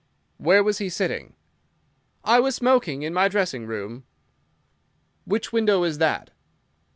"Where was he sitting?" "I was smoking in my dressing room." "Which window is that?"